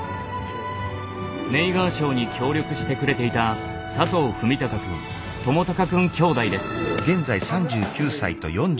ネイガーショーに協力してくれていた佐藤史崇くん智隆くん兄弟です。